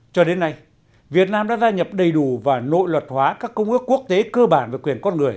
cho đến nay việt nam đã gia nhập đầy đủ và nội luật hóa các công ước quốc tế cơ bản về quyền con người